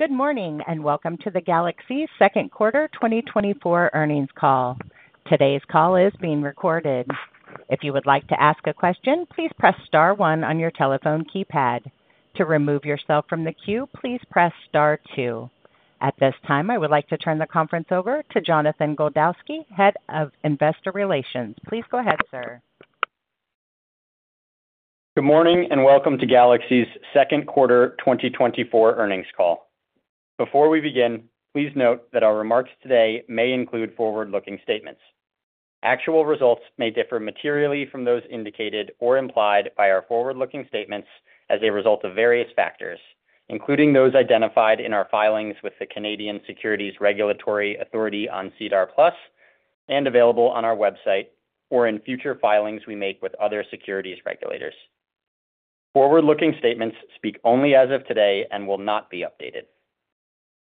Good morning, and welcome to the Galaxy Q2 2024 earnings call. Today's call is being recorded. If you would like to ask a question, please press star one on your telephone keypad. To remove yourself from the queue, please press star two. At this time, I would like to turn the conference over to Jonathan Goldowsky, Head of Investor Relations. Please go ahead, sir. Good morning, and welcome to Galaxy's Q2 2024 earnings call. Before we begin, please note that our remarks today may include forward-looking statements. Actual results may differ materially from those indicated or implied by our forward-looking statements as a result of various factors, including those identified in our filings with the Canadian Securities Regulatory Authority on SEDAR+ and available on our website, or in future filings we make with other securities regulators. Forward-looking statements speak only as of today and will not be updated.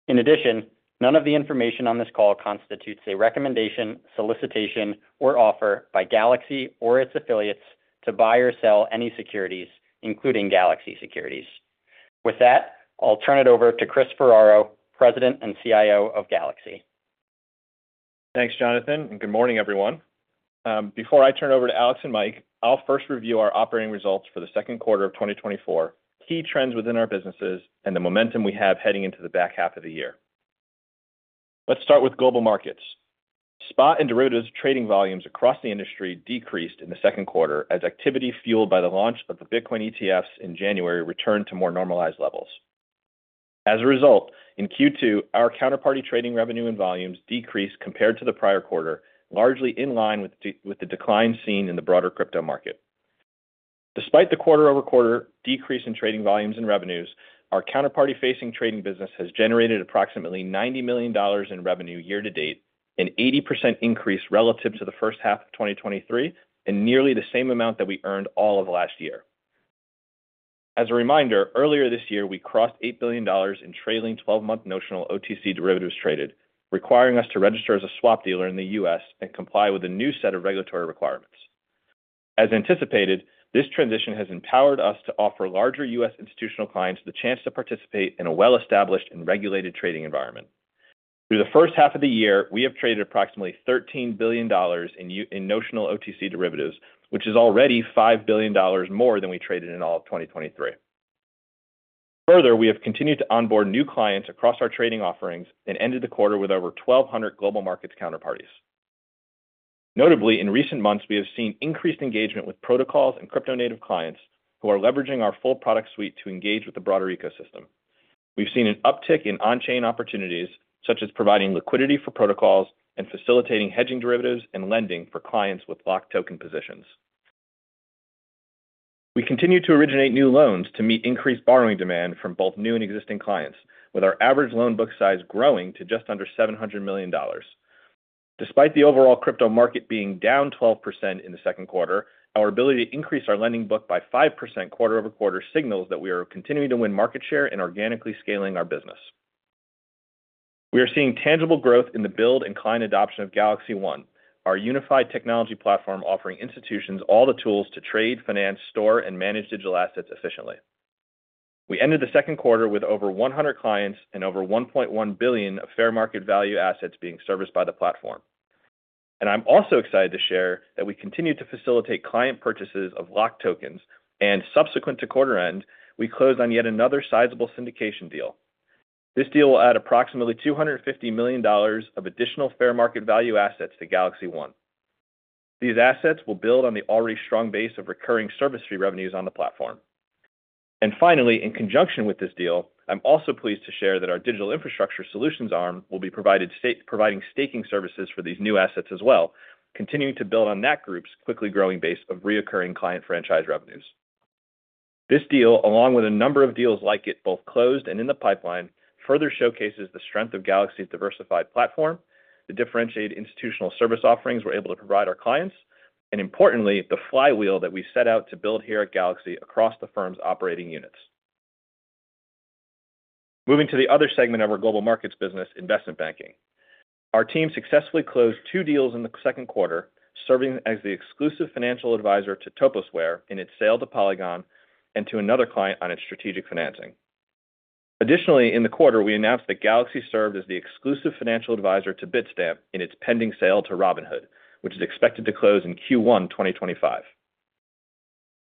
In addition, none of the information on this call constitutes a recommendation, solicitation, or offer by Galaxy or its affiliates to buy or sell any securities, including Galaxy Securities. With that, I'll turn it over to Chris Ferraro, President and CIO of Galaxy. Thanks, Jonathan, and good morning, everyone. Before I turn over to Alex and Mike, I'll first review our operating results for the Q2 of 2024, key trends within our businesses, and the momentum we have heading into the back half of the year. Let's start with global markets. Spot and derivatives trading volumes across the industry decreased in the Q2 as activity fueled by the launch of the Bitcoin ETFs in January returned to more normalized levels. As a result, in Q2, our counterparty trading revenue and volumes decreased compared to the prior quarter, largely in line with the decline seen in the broader crypto market. Despite the quarter-over-quarter decrease in trading volumes and revenues, our counterparty-facing trading business has generated approximately $90 million in revenue year to date, an 80% increase relative to the first half of 2023, and nearly the same amount that we earned all of last year. As a reminder, earlier this year, we crossed $8 billion in trailing twelve-month notional OTC derivatives traded, requiring us to register as a swap dealer in the U.S. and comply with a new set of regulatory requirements. As anticipated, this transition has empowered us to offer larger U.S. institutional clients the chance to participate in a well-established and regulated trading environment. Through the first half of the year, we have traded approximately $13 billion in notional OTC derivatives, which is already $5 billion more than we traded in all of 2023. Further, we have continued to onboard new clients across our trading offerings and ended the quarter with over 1,200 global markets counterparties. Notably, in recent months, we have seen increased engagement with protocols and crypto native clients who are leveraging our full product suite to engage with the broader ecosystem. We've seen an uptick in on-chain opportunities, such as providing liquidity for protocols and facilitating hedging derivatives and lending for clients with locked token positions. We continue to originate new loans to meet increased borrowing demand from both new and existing clients, with our average loan book size growing to just under $700 million. Despite the overall crypto market being down 12% in the Q2, our ability to increase our lending book by 5% quarter-over-quarter signals that we are continuing to win market share and organically scaling our business. We are seeing tangible growth in the build and client adoption of GalaxyOne, our unified technology platform, offering institutions all the tools to trade, finance, store and manage digital assets efficiently. We ended the Q2 with over 100 clients and over $1.1 billion of fair market value assets being serviced by the platform. I'm also excited to share that we continue to facilitate client purchases of locked tokens, and subsequent to quarter end, we closed on yet another sizable syndication deal. This deal will add approximately $250 million of additional fair market value assets to GalaxyOne. These assets will build on the already strong base of recurring service fee revenues on the platform. And finally, in conjunction with this deal, I'm also pleased to share that our Digital Infrastructure Solutions arm will be providing staking services for these new assets as well, continuing to build on that group's quickly growing base of recurring client franchise revenues. This deal, along with a number of deals like it, both closed and in the pipeline, further showcases the strength of Galaxy's diversified platform, the differentiated institutional service offerings we're able to provide our clients, and importantly, the flywheel that we set out to build here at Galaxy across the firm's operating units. Moving to the other segment of our Global Markets business, investment banking. Our team successfully closed two deals in the Q2, serving as the exclusive financial advisor to Toposware in its sale to Polygon and to another client on its strategic financing. Additionally, in the quarter, we announced that Galaxy served as the exclusive financial advisor to Bitstamp in its pending sale to Robinhood, which is expected to close in Q1 2025.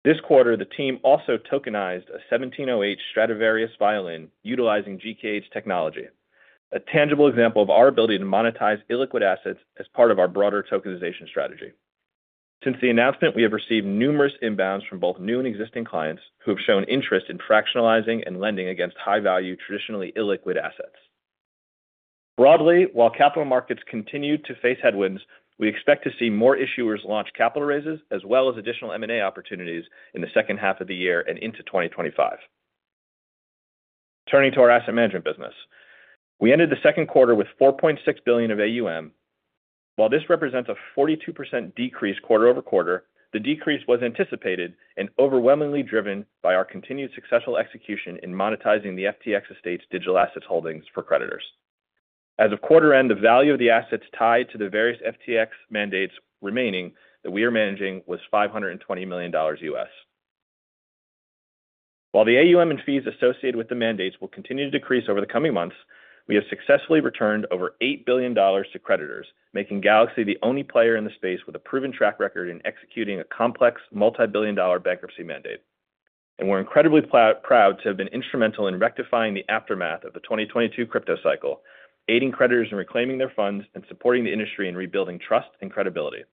This quarter, the team also tokenized a 1708 Stradivarius violin utilizing GK8's technology, a tangible example of our ability to monetize illiquid assets as part of our broader tokenization strategy. Since the announcement, we have received numerous inbounds from both new and existing clients who have shown interest in fractionalizing and lending against high-value, traditionally illiquid assets. Broadly, while capital markets continue to face headwinds, we expect to see more issuers launch capital raises as well as additional M&A opportunities in the second half of the year and into 2025. Turning to our Asset Management business. We ended the Q2 with $4.6 billion of AUM. While this represents a 42% decrease quarter-over-quarter, the decrease was anticipated and overwhelmingly driven by our continued successful execution in monetizing the FTX estate's digital assets holdings for creditors. As of quarter end, the value of the assets tied to the various FTX mandates remaining that we are managing was $520 million. While the AUM and fees associated with the mandates will continue to decrease over the coming months, we have successfully returned over $8 billion to creditors, making Galaxy the only player in the space with a proven track record in executing a complex, multi-billion dollar bankruptcy mandate. And we're incredibly proud to have been instrumental in rectifying the aftermath of the 2022 crypto cycle, aiding creditors in reclaiming their funds and supporting the industry in rebuilding trust and credibility.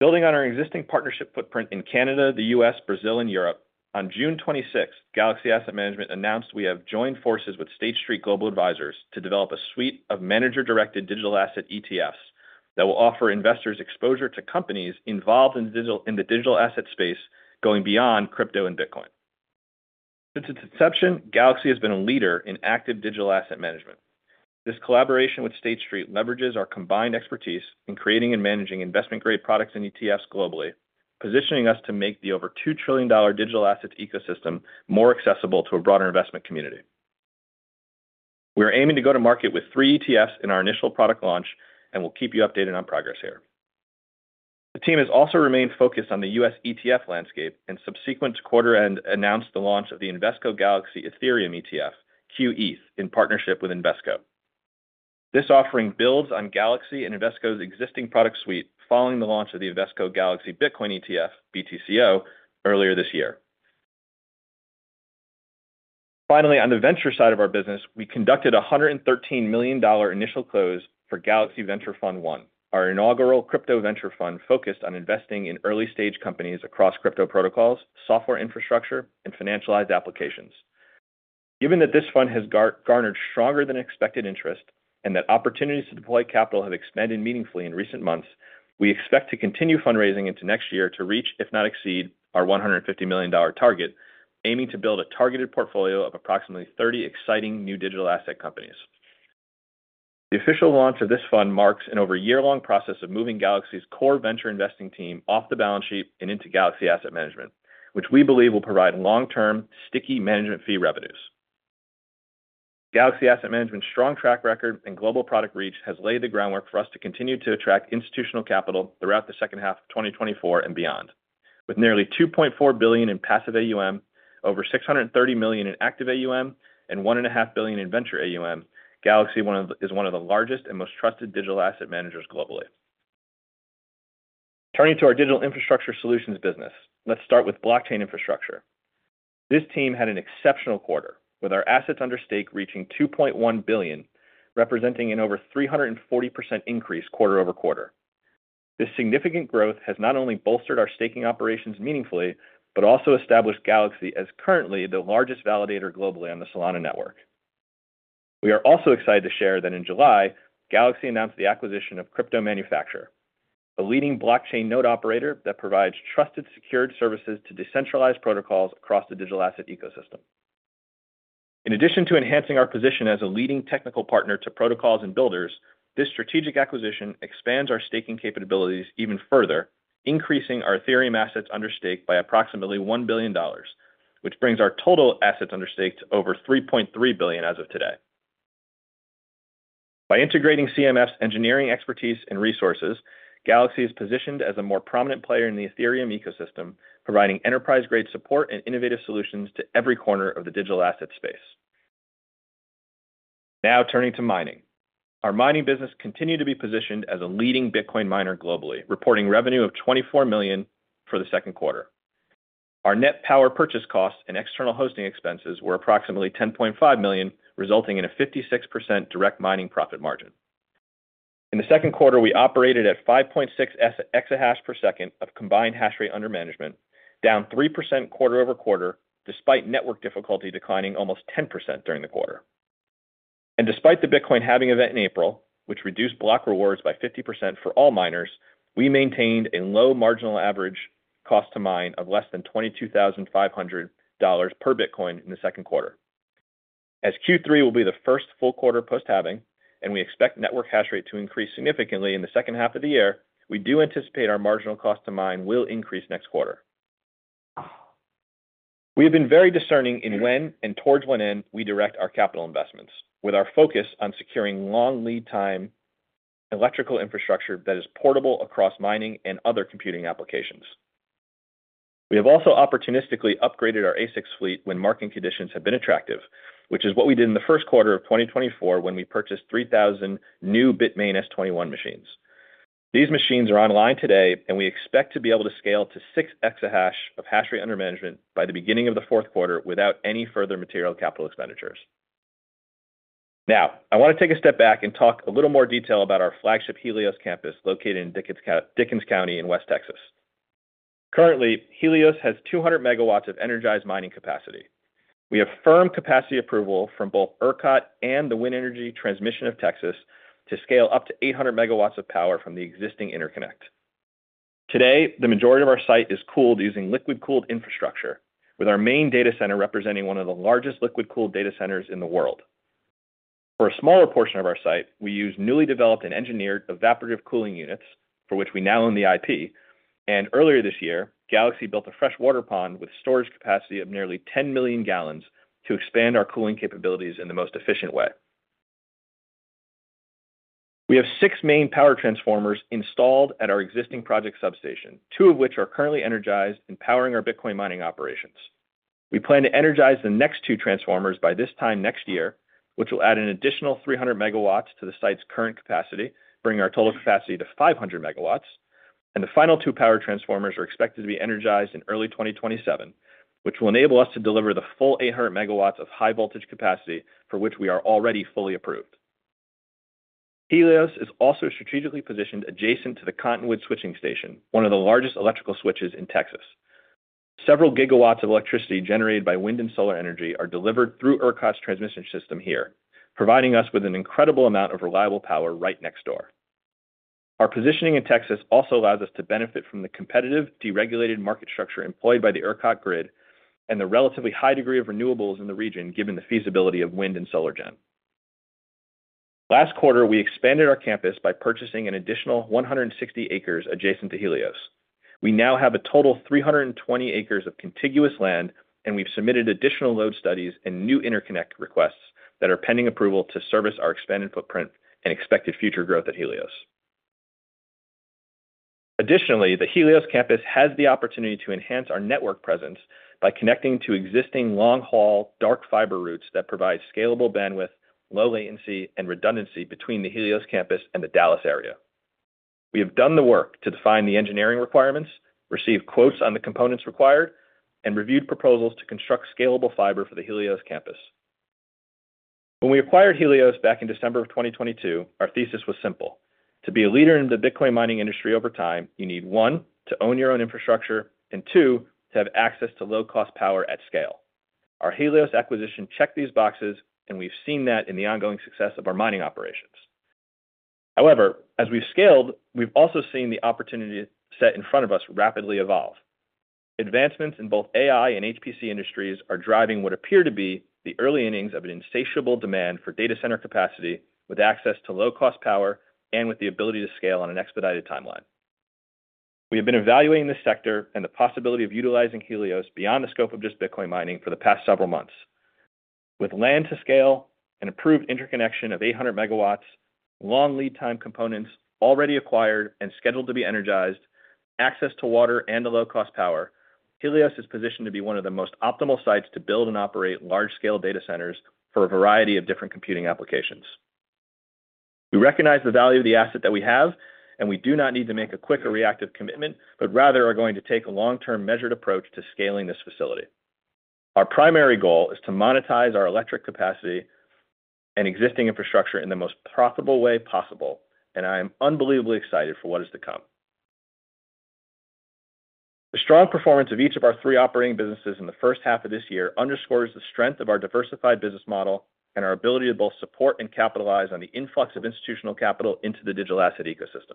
Building on our existing partnership footprint in Canada, the U.S., Brazil, and Europe, on June twenty-sixth, Galaxy Asset Management announced we have joined forces with State Street Global Advisors to develop a suite of manager-directed digital asset ETFs that will offer investors exposure to companies involved in the digital asset space, going beyond crypto and Bitcoin. Since its inception, Galaxy has been a leader in active digital asset management. This collaboration with State Street leverages our combined expertise in creating and managing investment-grade products and ETFs globally, positioning us to make the over $2 trillion digital assets ecosystem more accessible to a broader investment community. We are aiming to go to market with three ETFs in our initial product launch, and we'll keep you updated on progress here. The team has also remained focused on the U.S. ETF landscape, and subsequent to quarter end, announced the launch of the Invesco Galaxy Ethereum ETF, QETH, in partnership with Invesco. This offering builds on Galaxy and Invesco's existing product suite, following the launch of the Invesco Galaxy Bitcoin ETF, BTCO, earlier this year. Finally, on the venture side of our business, we conducted a $113 million initial close for Galaxy Ventures Fund I, our inaugural crypto venture fund focused on investing in early-stage companies across crypto protocols, software infrastructure, and financialized applications. Given that this fund has garnered stronger than expected interest, and that opportunities to deploy capital have expanded meaningfully in recent months, we expect to continue fundraising into next year to reach, if not exceed, our $150 million target, aiming to build a targeted portfolio of approximately 30 exciting new digital asset companies. The official launch of this fund marks an over a year-long process of moving Galaxy's core venture investing team off the balance sheet and into Galaxy Asset Management, which we believe will provide long-term, sticky management fee revenues. Galaxy Asset Management's strong track record and global product reach has laid the groundwork for us to continue to attract institutional capital throughout the second half of 2024 and beyond. With nearly $2.4 billion in passive AUM, over $630 million in active AUM, and $1.5 billion in venture AUM, Galaxy is one of the largest and most trusted digital asset managers globally. Turning to our Digital Infrastructure Solutions business. Let's start with Blockchain Infrastructure. This team had an exceptional quarter, with our Assets Under Stake reaching $2.1 billion, representing an over 340% increase quarter-over-quarter. This significant growth has not only bolstered our staking operations meaningfully, but also established Galaxy as currently the largest validator globally on the Solana network. We are also excited to share that in July, Galaxy announced the acquisition of CryptoManufaktur, a leading blockchain node operator that provides trusted, secured services to decentralized protocols across the digital asset ecosystem. In addition to enhancing our position as a leading technical partner to protocols and builders, this strategic acquisition expands our staking capabilities even further, increasing our Ethereum Assets Under Stake by approximately $1 billion, which brings our total Assets Under Stake to over $3.3 billion as of today. By integrating CMF's engineering expertise and resources, Galaxy is positioned as a more prominent player in the Ethereum ecosystem, providing enterprise-grade support and innovative solutions to every corner of the digital asset space. Now turning to mining. Our mining business continued to be positioned as a leading Bitcoin miner globally, reporting revenue of $24 million for the Q2. Our net power purchase costs and external hosting expenses were approximately $10.5 million, resulting in a 56% direct mining profit margin. In the Q2, we operated at 5.6 exahash per second of combined Hashrate Under Management, down 3% quarter-over-quarter, despite network difficulty declining almost 10% during the quarter. Despite the Bitcoin halving event in April, which reduced block rewards by 50% for all miners, we maintained a low marginal average cost to mine of less than $22,500 per Bitcoin in the Q2. As Q3 will be the first full quarter post-halving, and we expect network hashrate to increase significantly in the second half of the year, we do anticipate our marginal cost to mine will increase next quarter. We have been very discerning in when and towards what end we direct our capital investments, with our focus on securing long lead time electrical infrastructure that is portable across mining and other computing applications. We have also opportunistically upgraded our ASICs fleet when market conditions have been attractive, which is what we did in the Q1 of 2024 when we purchased 3,000 new Bitmain S21 machines. These machines are online today, and we expect to be able to scale to 6 exahash of Hashrate Under Management by the beginning of the Q4 without any further material capital expenditures. Now, I want to take a step back and talk a little more detail about our flagship Helios campus, located in Dickens County in West Texas. Currently, Helios has 200 MW of energized mining capacity. We have firm capacity approval from both ERCOT and the Wind Energy Transmission of Texas to scale up to 800 MW of power from the existing interconnect. Today, the majority of our site is cooled using liquid-cooled infrastructure, with our main data center representing one of the largest liquid-cooled data centers in the world. For a smaller portion of our site, we use newly developed and engineered evaporative cooling units, for which we now own the IP. Earlier this year, Galaxy built a freshwater pond with storage capacity of nearly 10 million gallons to expand our cooling capabilities in the most efficient way. We have six main power transformers installed at our existing project substation, two of which are currently energized and powering our Bitcoin mining operations. We plan to energize the next two transformers by this time next year, which will add an additional 300 MW to the site's current capacity, bringing our total capacity to 500 MW, and the final two power transformers are expected to be energized in early 2027, which will enable us to deliver the full 800 MW of high voltage capacity for which we are already fully approved. Helios is also strategically positioned adjacent to the Cottonwood switching station, one of the largest electrical switches in Texas. Several gigawatts of electricity generated by wind and solar energy are delivered through ERCOT's transmission system here, providing us with an incredible amount of reliable power right next door. Our positioning in Texas also allows us to benefit from the competitive, deregulated market structure employed by the ERCOT grid and the relatively high degree of renewables in the region, given the feasibility of wind and solar gen. Last quarter, we expanded our campus by purchasing an additional 160 acres adjacent to Helios. We now have a total 320 acres of contiguous land, and we've submitted additional load studies and new interconnect requests that are pending approval to service our expanded footprint and expected future growth at Helios. Additionally, the Helios campus has the opportunity to enhance our network presence by connecting to existing long-haul dark fiber routes that provide scalable bandwidth, low latency, and redundancy between the Helios campus and the Dallas area. We have done the work to define the engineering requirements, received quotes on the components required, and reviewed proposals to construct scalable fiber for the Helios campus. When we acquired Helios back in December of 2022, our thesis was simple: To be a leader in the Bitcoin mining industry over time, you need, one, to own your own infrastructure, and two, to have access to low-cost power at scale. Our Helios acquisition checked these boxes, and we've seen that in the ongoing success of our mining operations. However, as we've scaled, we've also seen the opportunity set in front of us rapidly evolve. Advancements in both AI and HPC industries are driving what appear to be the early innings of an insatiable demand for data center capacity, with access to low-cost power and with the ability to scale on an expedited timeline. We have been evaluating this sector and the possibility of utilizing Helios beyond the scope of just Bitcoin mining for the past several months. With land to scale, an approved interconnection of 800 MW, long lead time components already acquired and scheduled to be energized, access to water and to low-cost power, Helios is positioned to be one of the most optimal sites to build and operate large-scale data centers for a variety of different computing applications. We recognize the value of the asset that we have, and we do not need to make a quick or reactive commitment, but rather are going to take a long-term, measured approach to scaling this facility. Our primary goal is to monetize our electric capacity and existing infrastructure in the most profitable way possible, and I am unbelievably excited for what is to come. The strong performance of each of our three operating businesses in the first half of this year underscores the strength of our diversified business model and our ability to both support and capitalize on the influx of institutional capital into the digital asset ecosystem.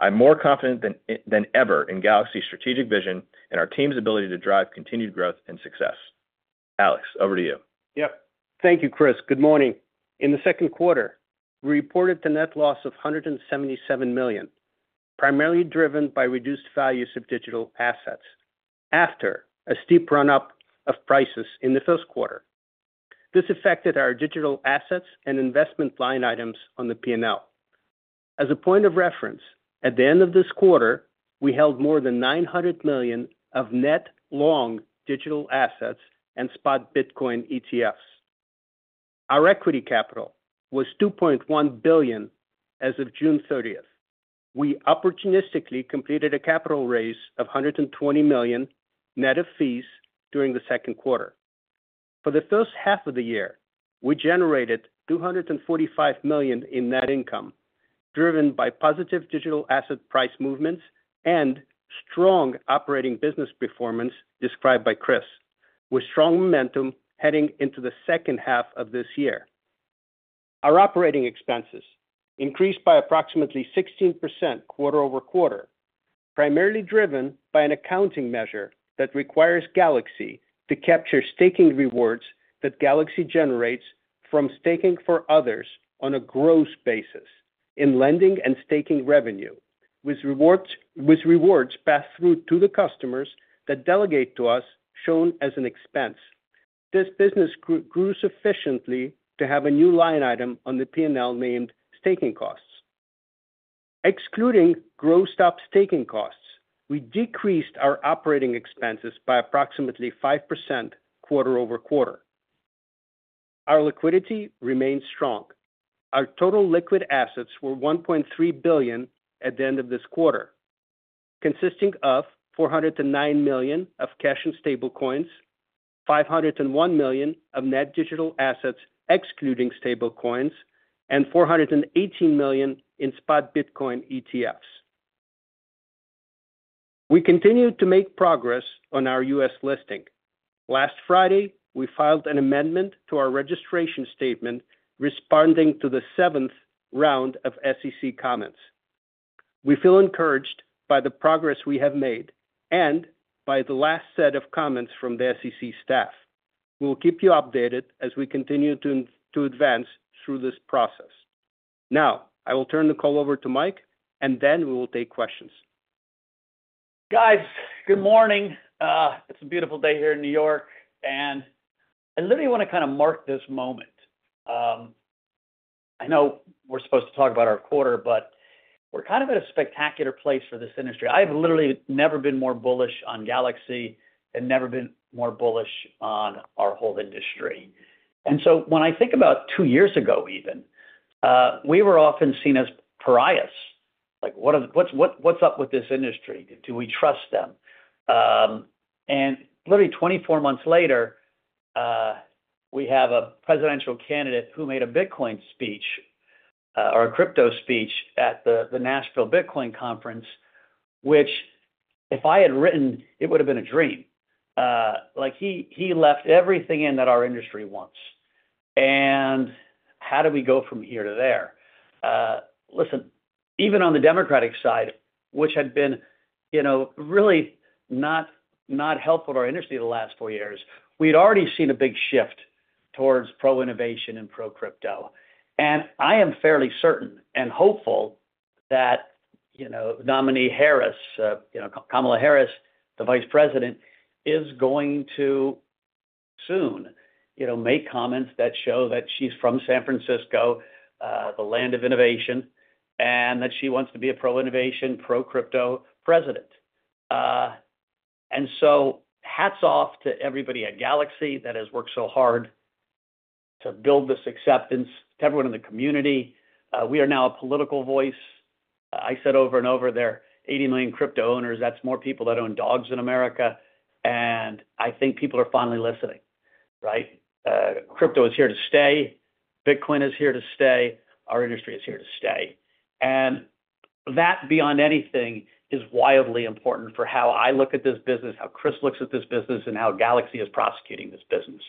I'm more confident than ever in Galaxy's strategic vision and our team's ability to drive continued growth and success. Alex, over to you. Yep. Thank you, Chris. Good morning. In the Q2, we reported a net loss of $177 million, primarily driven by reduced values of digital assets after a steep run-up of prices in the Q1. This affected our digital assets and investment line items on the P&L. As a point of reference, at the end of this quarter, we held more than $900 million of net long digital assets and spot Bitcoin ETFs. Our equity capital was $2.1 billion as of June 30. We opportunistically completed a capital raise of $120 million net of fees during the Q2. For the first half of the year, we generated $245 million in net income, driven by positive digital asset price movements and strong operating business performance described by Chris, with strong momentum heading into the second half of this year. Our operating expenses increased by approximately 16% quarter-over-quarter, primarily driven by an accounting measure that requires Galaxy to capture staking rewards that Galaxy generates from staking for others on a gross basis in lending and staking revenue, with rewards, with rewards passed through to the customers that delegate to us shown as an expense. This business grew sufficiently to have a new line item on the P&L named Staking Costs. Excluding grossed-up staking costs, we decreased our operating expenses by approximately 5% quarter-over-quarter. Our liquidity remains strong. Our total liquid assets were $1.3 billion at the end of this quarter, consisting of $409 million of cash and stablecoins, $501 million of net digital assets excluding stablecoins, and $418 million in spot Bitcoin ETFs. We continue to make progress on our U.S. listing. Last Friday, we filed an amendment to our registration statement responding to the seventh round of SEC comments. We feel encouraged by the progress we have made and by the last set of comments from the SEC staff. We will keep you updated as we continue to advance through this process. Now, I will turn the call over to Mike, and then we will take questions. Guys, good morning. It's a beautiful day here in New York, and I literally wanna kind of mark this moment. I know we're supposed to talk about our quarter, but we're kind of at a spectacular place for this industry. I've literally never been more bullish on Galaxy and never been more bullish on our whole industry. And so when I think about 2 years ago even, we were often seen as pariahs. Like, what's up with this industry? Do we trust them? And literally 24 months later, we have a presidential candidate who made a Bitcoin speech, or a crypto speech at the Nashville Bitcoin conference, which if I had written, it would've been a dream. Like, he left everything in that our industry wants. And how did we go from here to there? Listen, even on the Democratic side, which had been, you know, really not, not helpful to our industry the last four years, we'd already seen a big shift towards pro-innovation and pro-crypto. And I am fairly certain and hopeful that, you know, nominee Harris, you know, Kamala Harris, the Vice President, is going to soon, you know, make comments that show that she's from San Francisco, the land of innovation, and that she wants to be a pro-innovation, pro-crypto president. And so hats off to everybody at Galaxy that has worked so hard to build this acceptance, to everyone in the community. We are now a political voice. I said over and over, there are 80 million crypto owners, that's more people that own dogs in America, and I think people are finally listening, right? Crypto is here to stay, Bitcoin is here to stay, our industry is here to stay. And that, beyond anything, is wildly important for how I look at this business, how Chris looks at this business, and how Galaxy is prosecuting this business.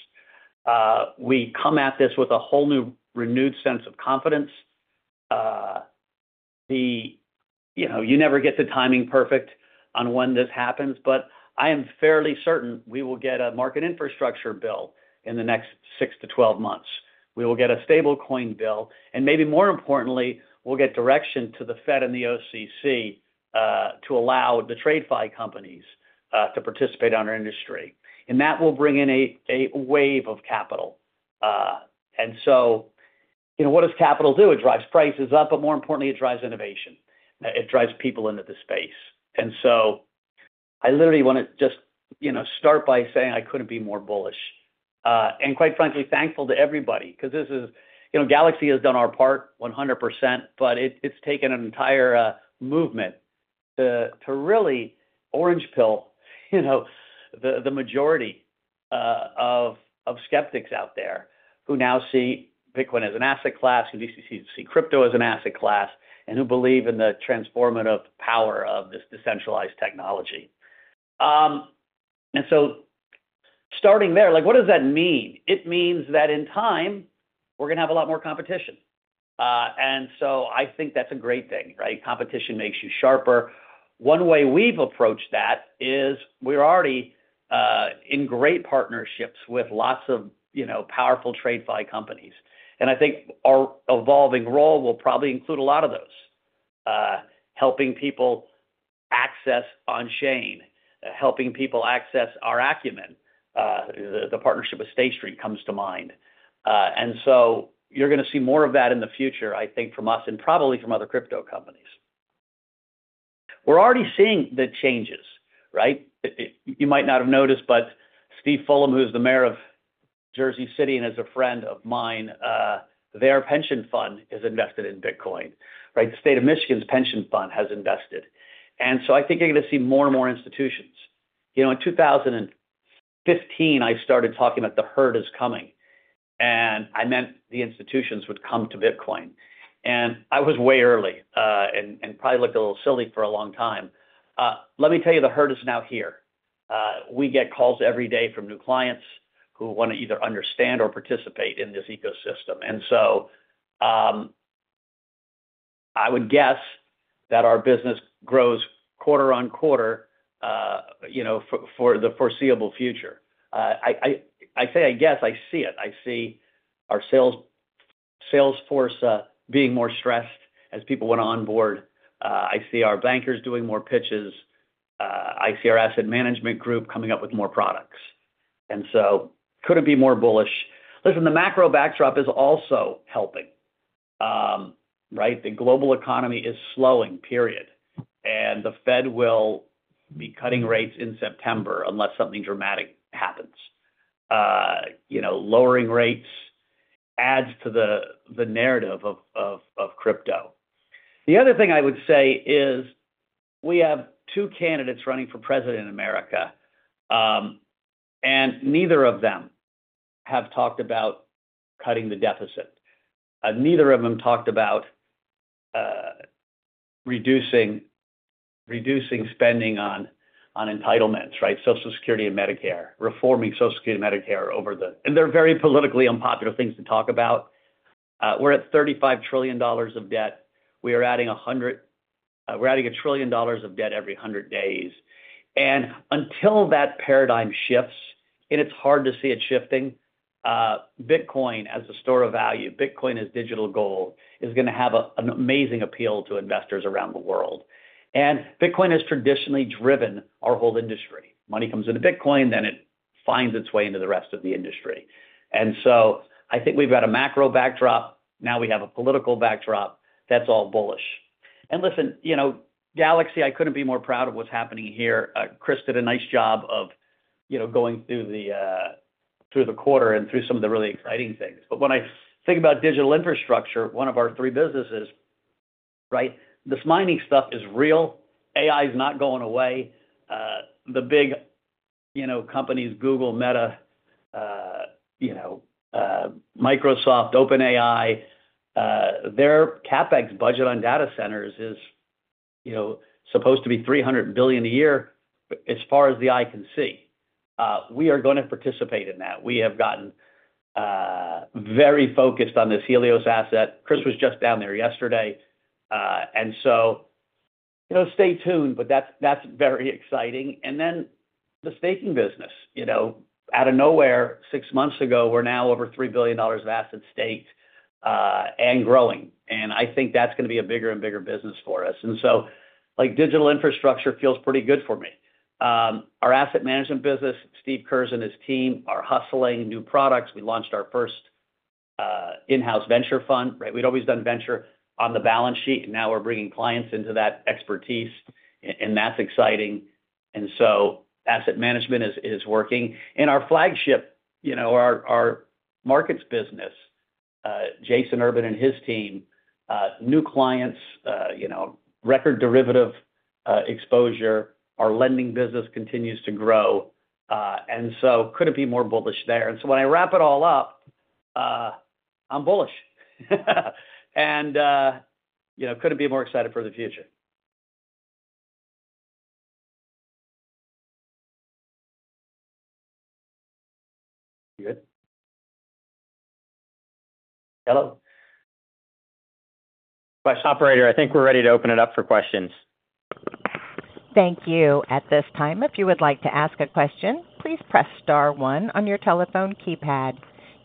We come at this with a whole new renewed sense of confidence. You know, you never get the timing perfect on when this happens, but I am fairly certain we will get a market infrastructure bill in the next 6-12 months. We will get a stablecoin bill, and maybe more importantly, we'll get direction to the Fed and the OCC to allow the TradeFi companies to participate in our industry. And that will bring in a wave of capital. And so, you know, what does capital do? It drives prices up, but more importantly, it drives innovation. It drives people into the space. And so I literally wanna just, you know, start by saying I couldn't be more bullish, and quite frankly, thankful to everybody, 'cause this is... You know, Galaxy has done our part 100%, but it, it's taken an entire movement to really orange pill, you know, the majority of skeptics out there, who now see Bitcoin as an asset class, who do see crypto as an asset class, and who believe in the transformative power of this decentralized technology. And so starting there, like, what does that mean? It means that in time, we're gonna have a lot more competition. And so I think that's a great thing, right? Competition makes you sharper. One way we've approached that is we're already in great partnerships with lots of, you know, powerful TradeFi companies. And I think our evolving role will probably include a lot of those, helping people access on-chain, helping people access our acumen. The partnership with State Street comes to mind. And so you're gonna see more of that in the future, I think, from us and probably from other crypto companies. We're already seeing the changes, right? You might not have noticed, but Steven Fulop, who's the mayor of Jersey City and is a friend of mine, their pension fund is invested in Bitcoin, right? The state of Michigan's pension fund has invested. And so I think you're gonna see more and more institutions. You know, in 2015, I started talking about the herd is coming, and I meant the institutions would come to Bitcoin. And I was way early, and probably looked a little silly for a long time. Let me tell you, the herd is now here. We get calls every day from new clients who wanna either understand or participate in this ecosystem. And so, I would guess that our business grows quarter on quarter, you know, for the foreseeable future. I say, I guess, I see it. I see our sales force being more stressed as people wanna onboard. I see our bankers doing more pitches. I see our asset management group coming up with more products. And so couldn't be more bullish. Listen, the macro backdrop is also helping, right? The global economy is slowing, and the Fed will be cutting rates in September unless something dramatic happens. You know, lowering rates adds to the narrative of crypto. The other thing I would say is, we have two candidates running for president in America, and neither of them have talked about cutting the deficit. Neither of them talked about reducing spending on entitlements, right? Social Security and Medicare, reforming Social Security and Medicare over the... And they're very politically unpopular things to talk about. We're at $35 trillion of debt. We're adding $1 trillion of debt every 100 days. Until that paradigm shifts, and it's hard to see it shifting, Bitcoin as a store of value, Bitcoin as digital gold, is gonna have an amazing appeal to investors around the world. And Bitcoin has traditionally driven our whole industry. Money comes into Bitcoin, then it finds its way into the rest of the industry. And so I think we've got a macro backdrop; now we have a political backdrop; that's all bullish. And listen, you know, Galaxy, I couldn't be more proud of what's happening here. Chris did a nice job of, you know, going through the quarter and through some of the really exciting things. But when I think about digital infrastructure, one of our three businesses, right? This mining stuff is real. AI is not going away. The big, you know, companies, Google, Meta, you know, Microsoft, OpenAI, their CapEx budget on data centers is, you know, supposed to be $300 billion a year, as far as the eye can see. We are gonna participate in that. We have gotten very focused on this Helios asset. Chris was just down there yesterday, and so, you know, stay tuned, but that's, that's very exciting. And then the staking business. You know, out of nowhere, six months ago, we're now over $3 billion of asset staked, and growing. And I think that's gonna be a bigger and bigger business for us. And so, like, digital infrastructure feels pretty good for me. Our Asset Management business, Steve Kurz and his team are hustling new products. We launched our first, in-house venture fund, right? We'd always done venture on the balance sheet, and now we're bringing clients into that expertise, and that's exciting. And so Asset Management is working. And our flagship, you know, our Markets business, Jason Urban and his team, new clients, you know, record derivative exposure. Our lending business continues to grow, and so could it be more bullish there? And so when I wrap it all up, I'm bullish. And, you know, couldn't be more excited for the future. Good. Hello? West operator, I think we're ready to open it up for questions. Thank you. At this time, if you would like to ask a question, please press star one on your telephone keypad.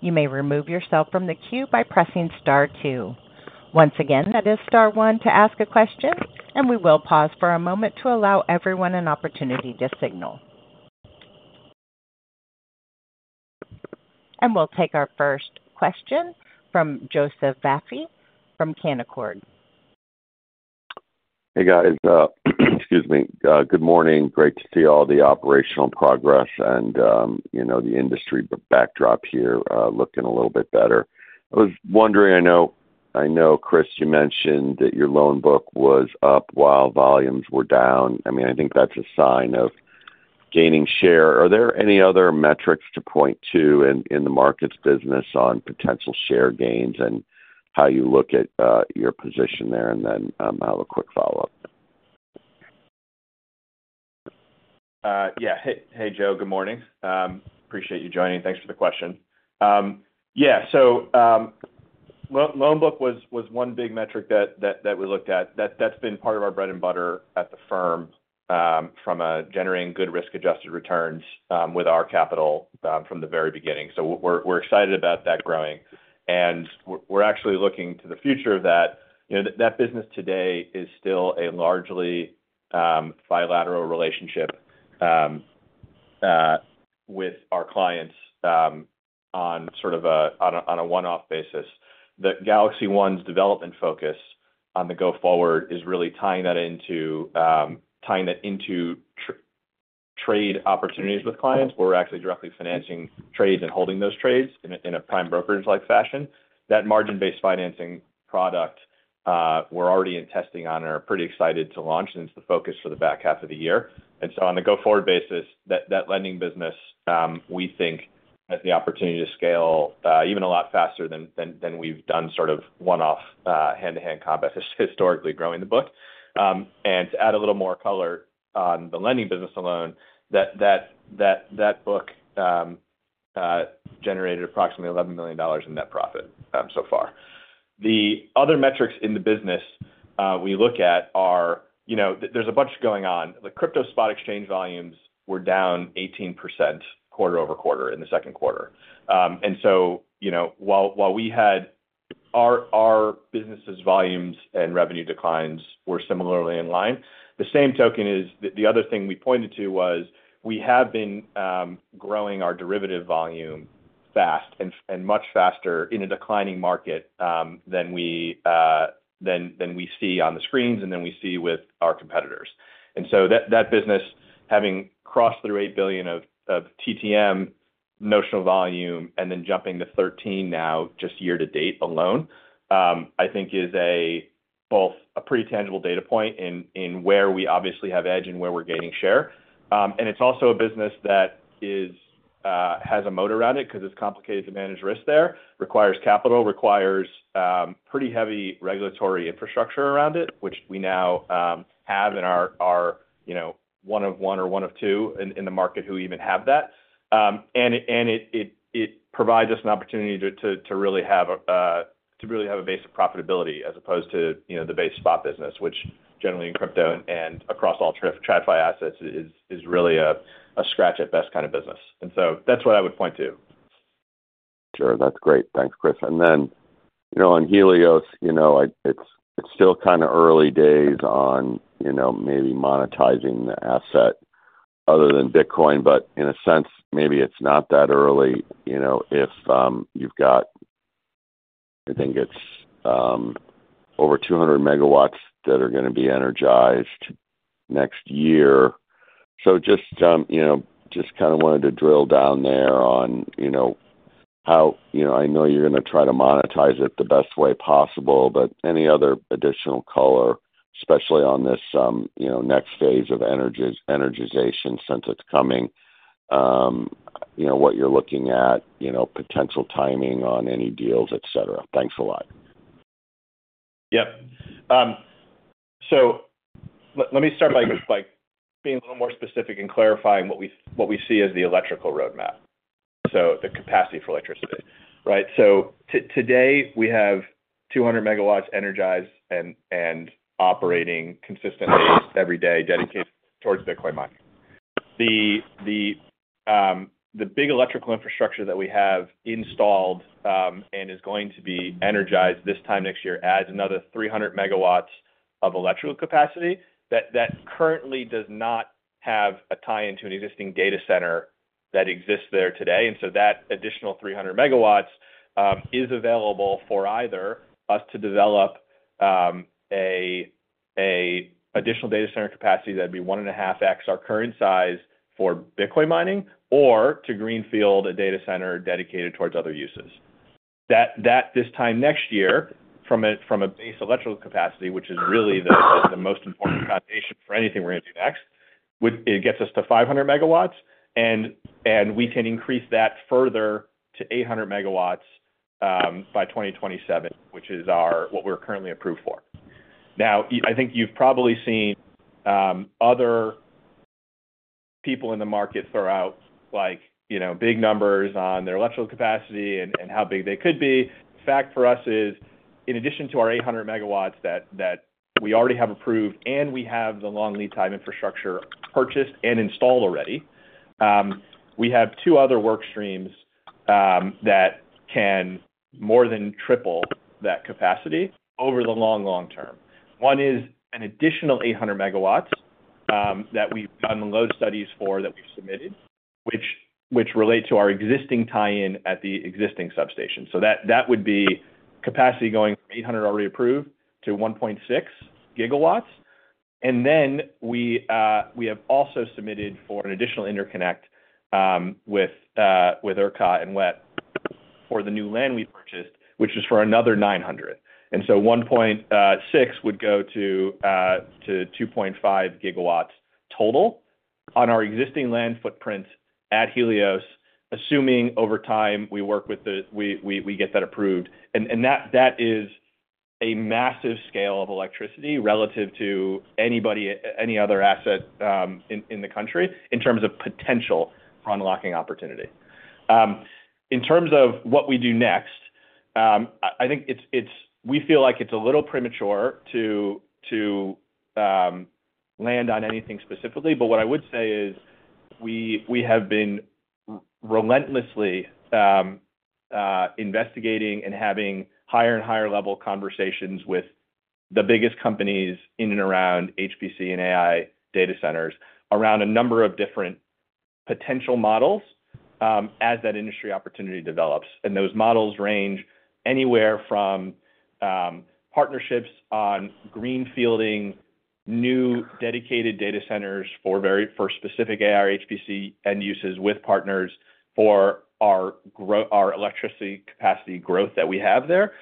You may remove yourself from the queue by pressing star two. Once again, that is star one to ask a question, and we will pause for a moment to allow everyone an opportunity to signal. We'll take our first question from Joseph Vafi from Canaccord. Hey, guys, excuse me. Good morning. Great to see all the operational progress and, you know, the industry backdrop here, looking a little bit better. I was wondering, I know, I know, Chris, you mentioned that your loan book was up while volumes were down. I mean, I think that's a sign of gaining share. Are there any other metrics to point to in the Markets business on potential share gains and how you look at your position there? And then, I have a quick follow-up. Yeah. Hey, Joe, good morning. Appreciate you joining. Thanks for the question. Yeah, so, loan book was one big metric that we looked at, that's been part of our bread and butter at the firm, from generating good risk-adjusted returns with our capital from the very beginning. So we're excited about that growing, and we're actually looking to the future of that. You know, that business today is still a largely bilateral relationship with our clients, on sort of a one-off basis. The GalaxyOne's development focus on the go forward is really tying that into trade opportunities with clients, where we're actually directly financing trades and holding those trades in a Prime brokerage-like fashion. That margin-based financing product, we're already in testing on and are pretty excited to launch, and it's the focus for the back half of the year. And so on a go-forward basis, that lending business, we think, has the opportunity to scale, even a lot faster than we've done sort of one-off, hand-to-hand combat, historically growing the book. And to add a little more color on the lending business alone, that book generated approximately $11 million in net profit, so far. The other metrics in the business, we look at are... You know, there's a bunch going on. The crypto spot exchange volumes were down 18% quarter-over-quarter in the Q2. And so, you know, while we had our businesses' volumes and revenue declines were similarly in line, the same token is the other thing we pointed to was, we have been growing our derivative volume fast and much faster in a declining market than we see on the screens and than we see with our competitors. And so that business, having crossed through $8 billion of TTM notional volume, and then jumping to $13 billion now, just year to date alone, I think is both a pretty tangible data point in where we obviously have edge and where we're gaining share. And it's also a business that has a moat around it because it's complicated to manage risk there. Requires capital, requires pretty heavy regulatory infrastructure around it, which we now have in our you know, one of one or one of two in the market who even have that. And it provides us an opportunity to really have a basic profitability as opposed to, you know, the base spot business, which generally in crypto and across all TradFi assets is really a scratch at best kind of business. And so that's what I would point to. Sure. That's great. Thanks, Chris. And then, you know, on Helios, you know, it's still kinda early days on, you know, maybe monetizing the asset other than Bitcoin, but in a sense, maybe it's not that early, you know, if you've got... I think it's over 200 MW that are gonna be energized next year. So just, you know, just kinda wanted to drill down there on, you know, how, you know, I know you're gonna try to monetize it the best way possible, but any other additional color, especially on this, you know, next phase of energization since it's coming, you know, what you're looking at, you know, potential timing on any deals, et cetera? Thanks a lot. Yep. So let me start by being a little more specific in clarifying what we see as the electrical roadmap, so the capacity for electricity, right? So today, we have 200 MW energized and operating consistently every day, dedicated towards Bitcoin mining. The big electrical infrastructure that we have installed and is going to be energized this time next year adds another 300 MW of electrical capacity that currently does not have a tie-in to an existing data center that exists there today. And so that additional 300 MW is available for either us to develop an additional data center capacity that'd be 1.5x our current size for Bitcoin mining, or to greenfield a data center dedicated towards other uses. That this time next year, from a base electrical capacity, which is really the most important foundation for anything we're gonna do next, would get us to 500 MW, and we can increase that further to 800 MW by 2027, which is what we're currently approved for. Now, I think you've probably seen other people in the market throw out, like, you know, big numbers on their electrical capacity and how big they could be. The fact for us is, in addition to our 800 MW that we already have approved, and we have the long lead time infrastructure purchased and installed already, we have two other work streams that can more than triple that capacity over the long, long term. One is an additional 800 MW that we've done load studies for, that we've submitted, which relate to our existing tie-in at the existing substation. So that would be capacity going from 800 already approved to 1.6 GW. And then we have also submitted for an additional interconnect with ERCOT and WETT for the new land we purchased, which is for another 900. And so 1.6 would go to 2.5 GW total on our existing land footprint at Helios, assuming over time, we work with the we get that approved. And that is a massive scale of electricity relative to anybody, any other asset in the country, in terms of potential for unlocking opportunity. In terms of what we do next, I think it's—we feel like it's a little premature to land on anything specifically, but what I would say is we have been relentlessly investigating and having higher and higher level conversations with the biggest companies in and around HPC and AI data centers around a number of different potential models, as that industry opportunity develops. Those models range anywhere from partnerships on greenfielding new dedicated data centers for very specific AI HPC end uses with partners for our electricity capacity growth that we have there,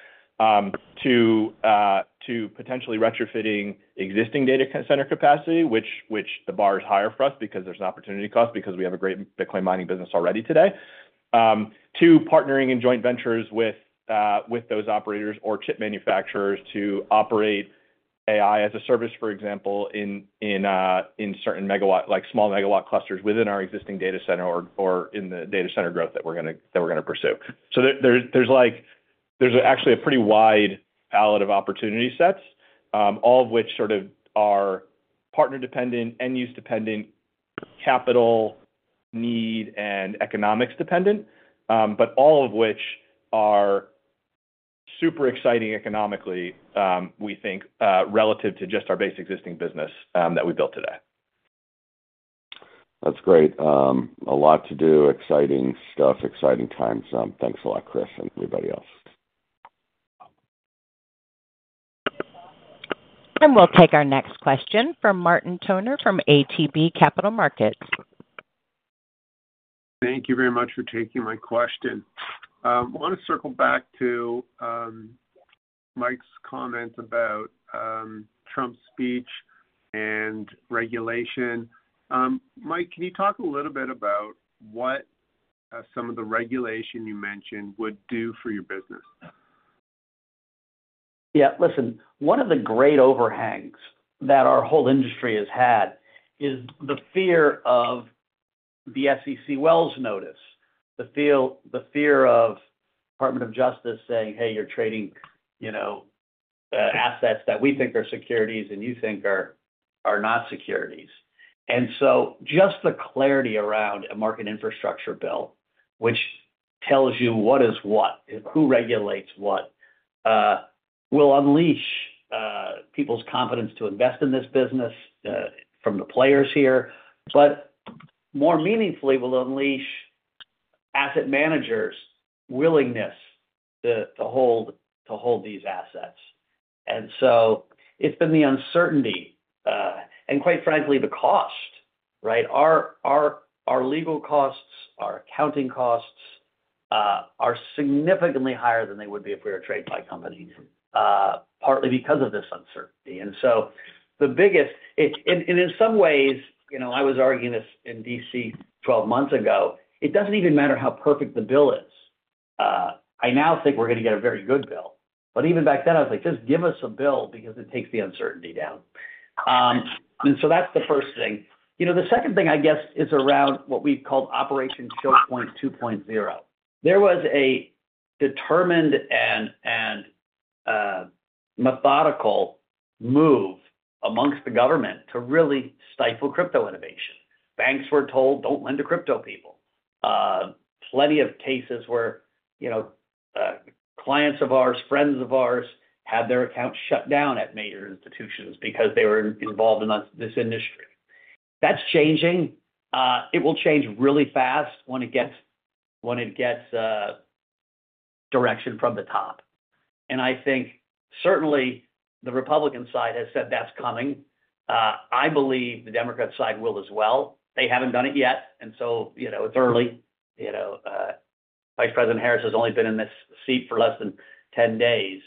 to potentially retrofitting existing data center capacity, which the bar is higher for us because there's an opportunity cost, because we have a great Bitcoin mining business already today, to partnering in joint ventures with those operators or chip manufacturers to operate AI as a service, for example, in certain megawatt, like, small megawatt clusters within our existing data center or in the data center growth that we're gonna pursue. So there's like there's actually a pretty wide palette of opportunity sets, all of which sort of are partner-dependent, end-use dependent, capital need, and economics dependent. But all of which are super exciting economically, we think, relative to just our base existing business that we built today. That's great. A lot to do. Exciting stuff, exciting times. Thanks a lot, Chris, and everybody else. We'll take our next question from Martin Toner, from ATB Capital Markets. Thank you very much for taking my question. I wanna circle back to Mike's comments about Trump's speech and regulation. Mike, can you talk a little bit about what some of the regulation you mentioned would do for your business? Yeah, listen, one of the great overhangs that our whole industry has had is the fear of the SEC Wells notice, the fear of Department of Justice saying, hey, you're trading, you know, assets that we think are securities and you think are not securities. And so just the clarity around a market infrastructure bill, which tells you what is what, and who regulates what, will unleash people's confidence to invest in this business from the players here, but more meaningfully, will unleash asset managers' willingness to hold these assets. And so it's been the uncertainty, and quite frankly, the cost, right? Our legal costs, our accounting costs are significantly higher than they would be if we were a trad-fi company, partly because of this uncertainty. And so the biggest in some ways, you know, I was arguing this in D.C. 12 months ago, it doesn't even matter how perfect the bill is. I now think we're gonna get a very good bill, but even back then, I was like, just give us a bill because it takes the uncertainty down. And so that's the first thing. You know, the second thing, I guess, is around what we've called Operation Choke Point 2.0. There was a determined methodical move among the government to really stifle crypto innovation. Banks were told, don't lend to crypto people. Plenty of cases where, you know, clients of ours, friends of ours, had their accounts shut down at major institutions because they were involved in this industry. That's changing. It will change really fast when it gets direction from the top. And I think, certainly, the Republican side has said that's coming. I believe the Democrat side will as well. They haven't done it yet, and so, you know, it's early. You know, Vice President Harris has only been in this seat for less than 10 days,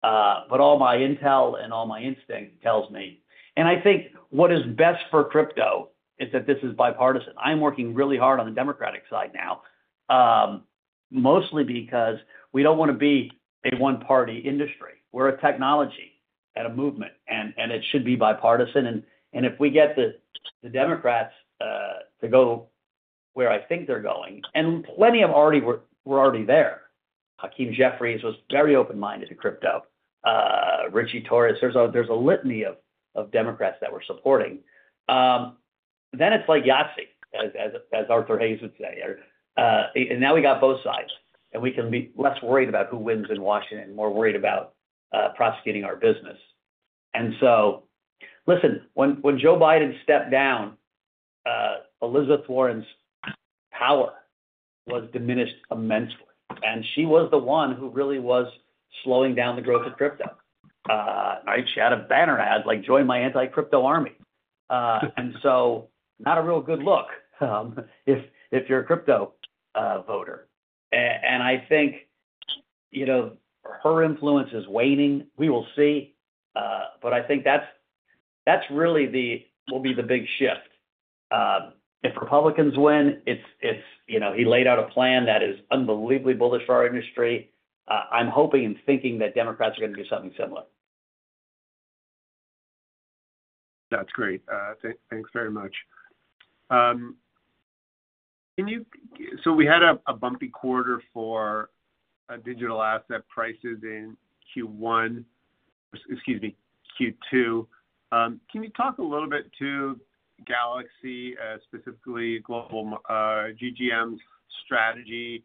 but all my intel and all my instinct tells me... And I think what is best for crypto is that this is bipartisan. I'm working really hard on the Democratic side now, mostly because we don't wanna be a one-party industry. We're a technology and a movement, and it should be bipartisan. And if we get the Democrats to go where I think they're going, and plenty of them already were already there. Hakeem Jeffries was very open-minded to crypto, Ritchie Torres. There's a litany of Democrats that we're supporting. Then it's like Yahtzee, as Arthur Hayes would say. And now we got both sides, and we can be less worried about who wins in Washington, and more worried about prosecuting our business. And so, listen, when Joe Biden stepped down, Elizabeth Warren's power was diminished immensely, and she was the one who really was slowing down the growth of crypto. She had a banner ad, like, "Join my anti-crypto army." And so not a real good look, if you're a crypto voter. And I think, you know, her influence is waning. We will see, but I think that's really the... will be the big shift. If Republicans win, it's you know, he laid out a plan that is unbelievably bullish for our industry. I'm hoping and thinking that Democrats are gonna do something similar. That's great. Thanks very much. Can you—so we had a bumpy quarter for digital asset prices in Q1, excuse me, Q2. Can you talk a little bit to Galaxy, specifically global GGM's strategy,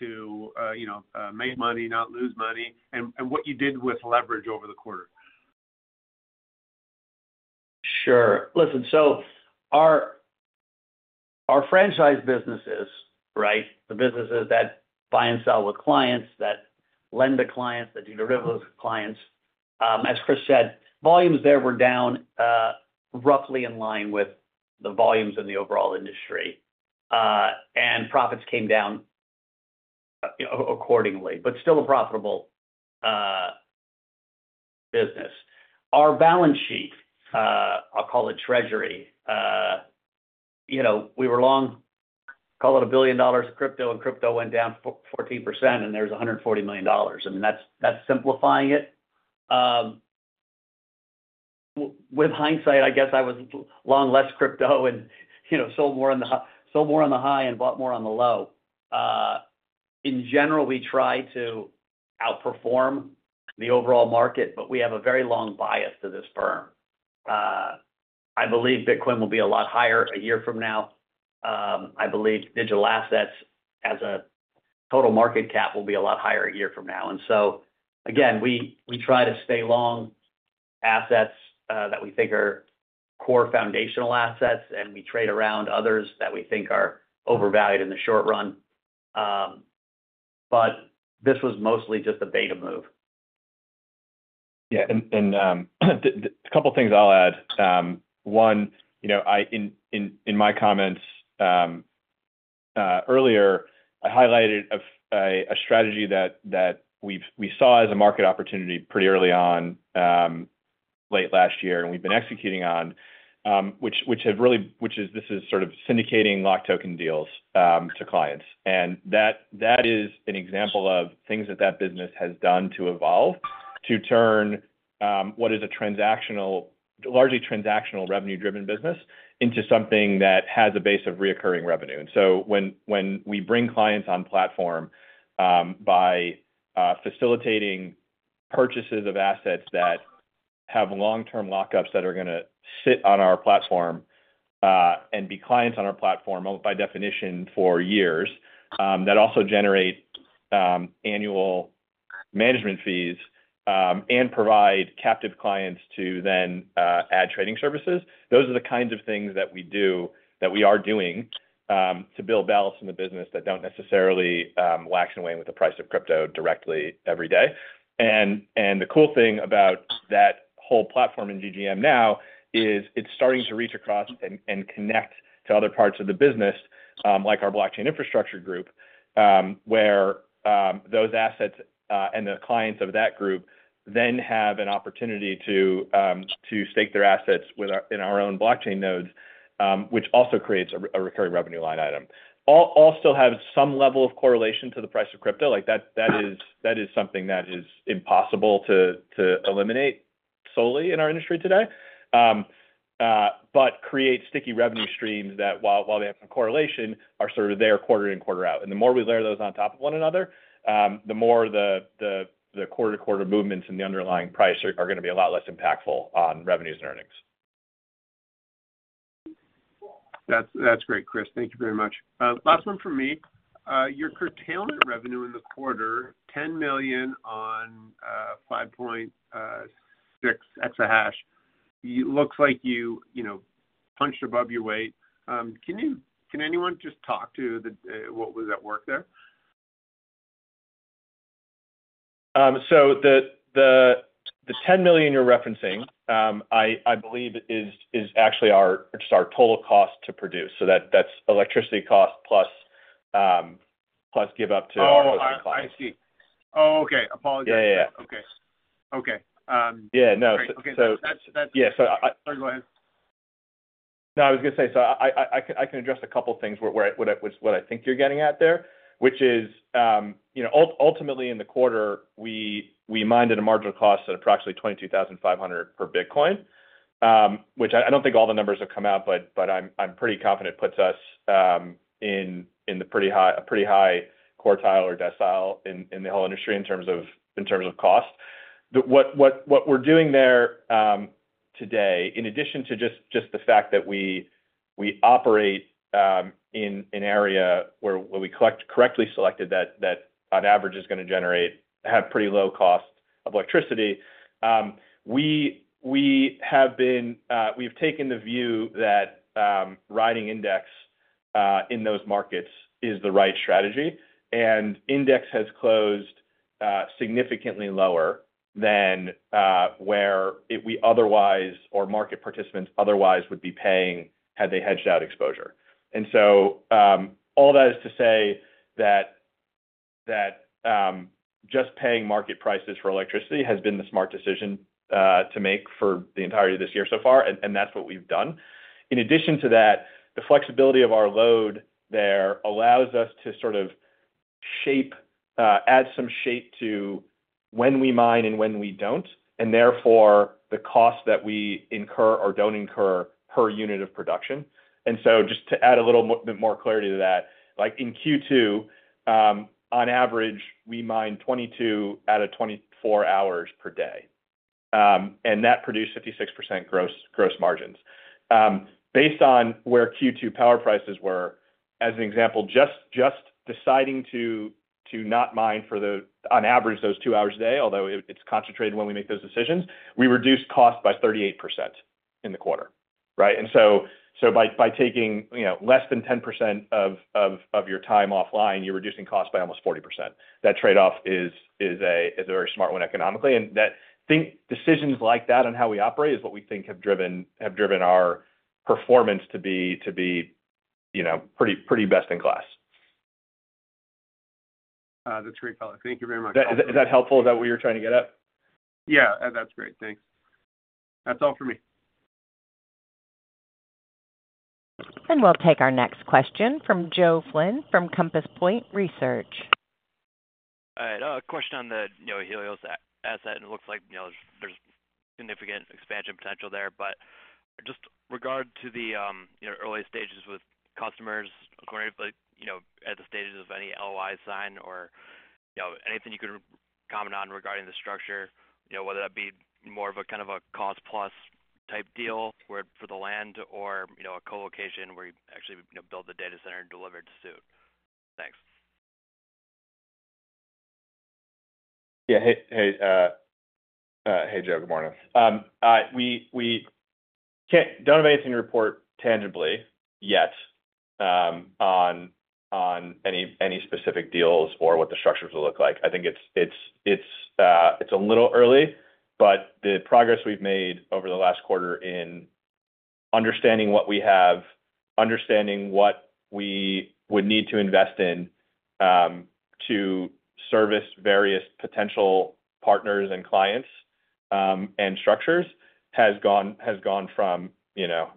to you know, make money, not lose money, and what you did with leverage over the quarter? Sure. Listen, so our franchise businesses, right? The businesses that buy and sell with clients, that lend to clients, that do derivatives with clients, as Chris said, volumes there were down roughly in line with the volumes in the overall industry, and profits came down accordingly, but still a profitable business. Our balance sheet, I'll call it treasury, you know, we were long, call it $1 billion of crypto, and crypto went down 14%, and there's $140 million. I mean, that's simplifying it. With hindsight, I guess I was long less crypto and, you know, sold more on the high and bought more on the low. In general, we try to outperform the overall market, but we have a very long bias to this firm. I believe Bitcoin will be a lot higher a year from now. I believe digital assets, as a total market cap, will be a lot higher a year from now. And so, again, we try to stay long assets that we think are core foundational assets, and we trade around others that we think are overvalued in the short run. But this was mostly just a beta move. Yeah, a couple of things I'll add. One, you know, in my comments earlier, I highlighted a strategy that we've saw as a market opportunity pretty early on late last year, and we've been executing on, which is syndicating locked token deals to clients. And that is an example of things that business has done to evolve, to turn what is largely transactional revenue-driven business into something that has a base of reoccurring revenue. And so when we bring clients on platform by facilitating purchases of assets that have long-term lockups that are going to sit on our platform and be clients on our platform, by definition, for years, that also generate annual management fees and provide captive clients to then add trading services, those are the kinds of things that we do, that we are doing, to build balance in the business that don't necessarily wax and wane with the price of crypto directly every day. And the cool thing about that whole platform in GGM now is it's starting to reach across and connect to other parts of the business, like our blockchain infrastructure group, where those assets and the clients of that group then have an opportunity to stake their assets with our own blockchain nodes, which also creates a recurring revenue line item. All still have some level of correlation to the price of crypto. Like, that is something that is impossible to eliminate solely in our industry today. But create sticky revenue streams that while they have some correlation, are sort of there quarter in, quarter out. The more we layer those on top of one another, the more the quarter-to-quarter movements in the underlying price are going to be a lot less impactful on revenues and earnings. That's great, Chris. Thank you very much. Last one from me. Your curtailment revenue in the quarter, $10 million on 5.6 exahash. You looks like you, you know, punched above your weight. Can anyone just talk to the what was at work there? So the $10 million you're referencing, I believe is actually just our total cost to produce, so that's electricity cost plus give up to our- Oh, I see. Oh, okay. Apologize. No, I was going to say, so I can address a couple of things where what I think you're getting at there, which is, you know, ultimately in the quarter, we mined at a marginal cost of approximately $22,500 per Bitcoin, which I don't think all the numbers have come out, but I'm pretty confident puts us in a pretty high quartile or decile in the whole industry in terms of cost. What we're doing there today, in addition to just the fact that we operate in an area where we correctly selected that on average is going to have pretty low cost of electricity, we have been. We've taken the view that riding index in those markets is the right strategy, and index has closed significantly lower than where if we otherwise or market participants otherwise would be paying, had they hedged out exposure. And so, all that is to say that just paying market prices for electricity has been the smart decision to make for the entirety of this year so far, and that's what we've done. In addition to that, the flexibility of our load there allows us to sort of shape, add some shape to when we mine and when we don't, and therefore, the cost that we incur or don't incur per unit of production. And so just to add a little bit more clarity to that, like in Q2, on average, we mined 22 out of 24 hours per day, and that produced 56% gross margins. Based on where Q2 power prices were, as an example, just deciding to not mine for the—on average, those two hours a day, although it's concentrated when we make those decisions, we reduced costs by 38% in the quarter, right? And so by taking, you know, less than 10% of your time offline, you're reducing costs by almost 40%. That trade-off is a very smart one economically, and decisions like that on how we operate is what we think have driven our performance to be, you know, pretty best in class. That's great, fella. Thank you very much. Is that, is that helpful? Is that what you're trying to get at? Yeah, that's great. Thanks. That's all for me. We'll take our next question from Joe Flynn from Compass Point Research. All right, a question on the, you know, Helios asset, and it looks like, you know, there's significant expansion potential there. But just regard to the, you know, early stages with customers, according to, like, you know, at the stages of any LOIs signed? You know, anything you could comment on regarding the structure, you know, whether that be more of a kind of a cost plus type deal, where for the land or, you know, a co-location where you actually, you know, build the data center and deliver it to suit? Thanks. Yeah. Hey, Joe, good morning. We don't have anything to report tangibly yet on any specific deals or what the structures will look like. I think it's a little early, but the progress we've made over the last quarter understanding what we have, understanding what we would need to invest in to service various potential partners and clients and structures has gone from, you know,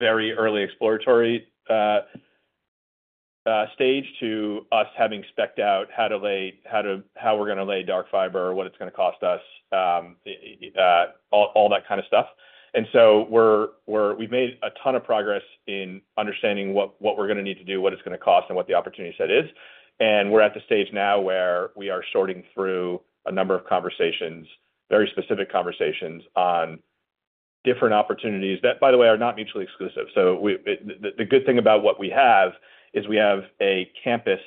very early exploratory stage to us having spec'd out how we're gonna lay dark fiber, what it's gonna cost us, all that kind of stuff. And so we've made a ton of progress in understanding what we're gonna need to do, what it's gonna cost, and what the opportunity set is. And we're at the stage now where we are sorting through a number of conversations, very specific conversations, on different opportunities that, by the way, are not mutually exclusive. So the good thing about what we have is we have a campus,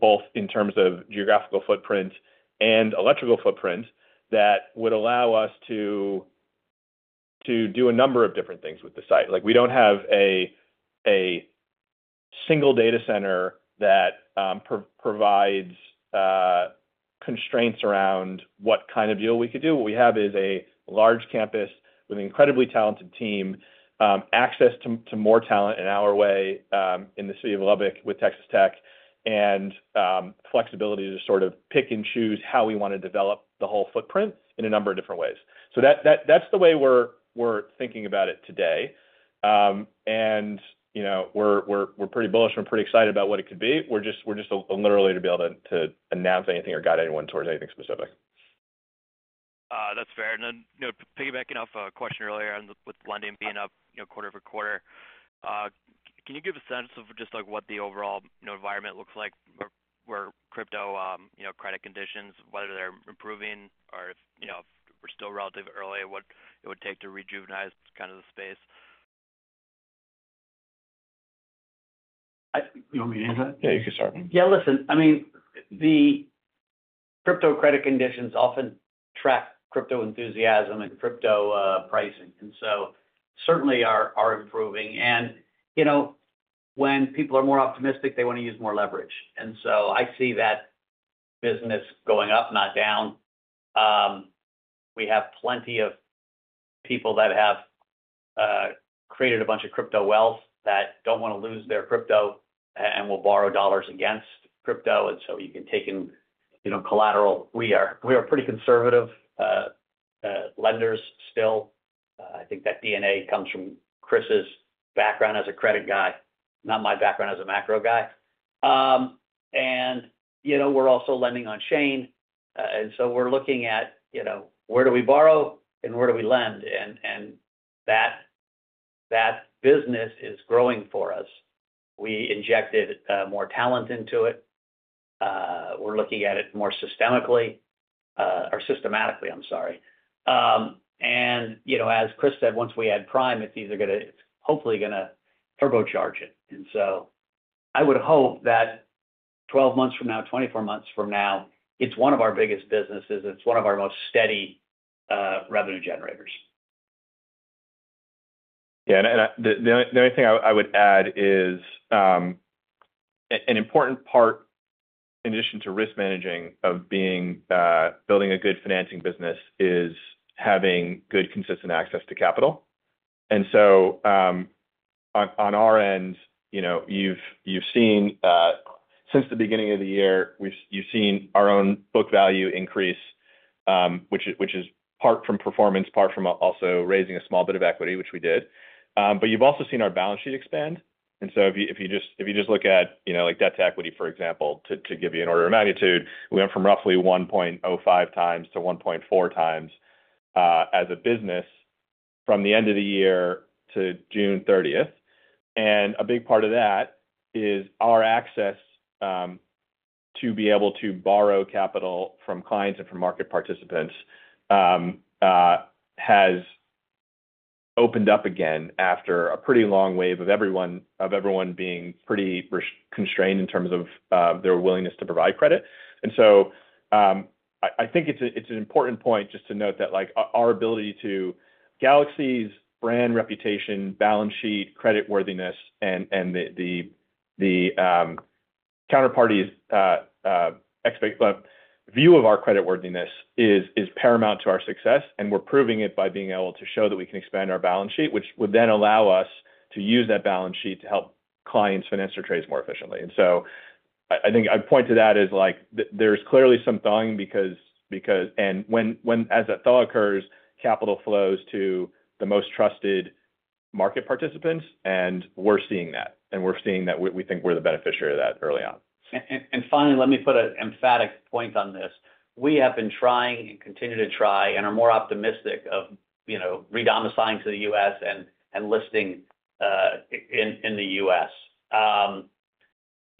both in terms of geographical footprint and electrical footprint, that would allow us to do a number of different things with the site. Like, we don't have a single data center that provides constraints around what kind of deal we could do. What we have is a large campus with an incredibly talented team, access to more talent an hour away, in the city of Lubbock with Texas Tech, and flexibility to sort of pick and choose how we wanna develop the whole footprint in a number of different ways. So that's the way we're pretty bullish, and we're pretty excited about what it could be. We're just a little early to be able to announce anything or guide anyone towards anything specific. That's fair. And then, you know, piggybacking off a question earlier on with lending being up, you know, quarter-over-quarter. Can you give a sense of just, like, what the overall, you know, environment looks like for, where crypto, you know, credit conditions, whether they're improving or if, you know, if we're still relatively early, what it would take to rejuvenate kind of the space? You want me to answer that? Yeah, you can start. Yeah, listen, I mean, the crypto credit conditions often track crypto enthusiasm and crypto pricing, and so certainly are improving. And, you know, when people are more optimistic, they wanna use more leverage, and so I see that business going up, not down. We have plenty of people that have created a bunch of crypto wealth that don't wanna lose their crypto and will borrow dollars against crypto, and so you can take in, you know, collateral. We are pretty conservative lenders still. I think that DNA comes from Chris's background as a credit guy, not my background as a macro guy. And, you know, we're also lending on-chain, and so we're looking at, you know, where do we borrow and where do we lend? And that business is growing for us. We injected more talent into it. We're looking at it more systemically or systematically, I'm sorry. And, you know, as Chris said, once we add prime, it's either gonna, it's hopefully gonna turbocharge it. And so I would hope that 12 months from now, 24 months from now, it's one of our biggest businesses, it's one of our most steady revenue generators. Yeah, the only thing I would add is an important part, in addition to risk managing, of building a good financing business, is having good, consistent access to capital. And so, on our end, you know, you've seen, since the beginning of the year, you've seen our own book value increase, which is part from performance, part from also raising a small bit of equity, which we did. But you've also seen our balance sheet expand, and so if you just look at, you know, like, debt to equity, for example, to give you an order of magnitude, we went from roughly 1.05x to 1.4x, as a business from the end of the year to 30th June. A big part of that is our access to be able to borrow capital from clients and from market participants has opened up again after a pretty long wave of everyone being pretty resource-constrained in terms of their willingness to provide credit. So, I think it's an important point just to note that, like, Galaxy's brand reputation, balance sheet, creditworthiness, and the counterparties' expected view of our creditworthiness is paramount to our success, and we're proving it by being able to show that we can expand our balance sheet, which would then allow us to use that balance sheet to help clients finance their trades more efficiently. So I think I'd point to that as, like, there's clearly some thawing because. And when as that thaw occurs, capital flows to the most trusted market participants, and we're seeing that, and we're seeing that we think we're the beneficiary of that early on. Finally, let me put an emphatic point on this. We have been trying, and continue to try, and are more optimistic of, you know, re-domiciling to the U.S. and listing in the U.S.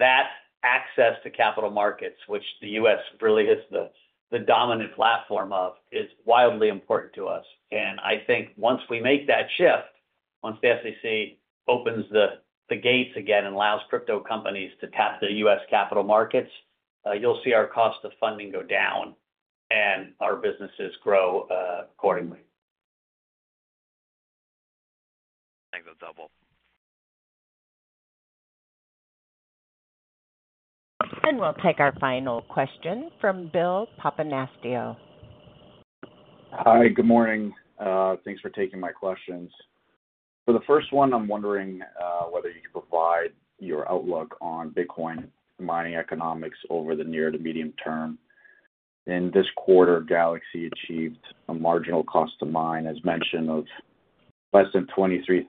That access to capital markets, which the U.S. really is the dominant platform of, is wildly important to us. And I think once we make that shift, once the SEC opens the gates again and allows crypto companies to tap the U.S. capital markets, you'll see our cost of funding go down and our businesses grow accordingly. Thanks. That's helpful. We'll take our final question from Bill Papanastasiou. Hi, good morning. Thanks for taking my questions. For the first one, I'm wondering whether you could provide your outlook on Bitcoin mining economics over the near to medium term. In this quarter, Galaxy achieved a marginal cost to mine, as mentioned, of less than $23,000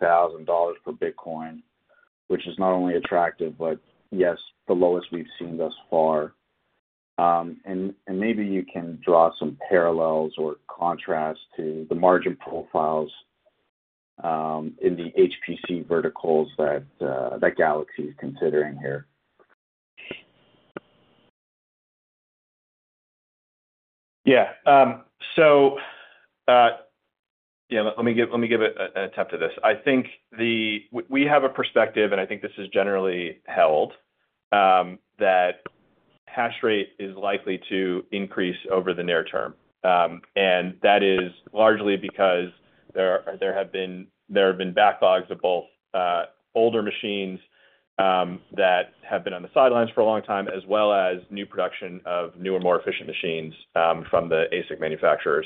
per Bitcoin, which is not only attractive, but yes, the lowest we've seen thus far. And maybe you can draw some parallels or contrast to the margin profiles in the HPC verticals that Galaxy is considering here. Yeah. So, yeah, let me give it an attempt to this. I think we have a perspective, and I think this is generally held that hashrate is likely to increase over the near term. And that is largely because there have been backlogs of both older machines that have been on the sidelines for a long time, as well as new production of newer, more efficient machines from the ASIC manufacturers